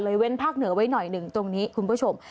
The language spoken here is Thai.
เว้นภาคเหนือไว้หน่อยหนึ่งตรงนี้คุณผู้ชม